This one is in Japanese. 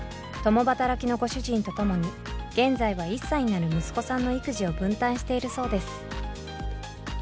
共働きのご主人とともに現在は１歳になる息子さんの育児を分担しているそうです。